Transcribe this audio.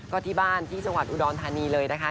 ก็ที่บ้านที่จังหวัดอุดรธานีเลยนะคะ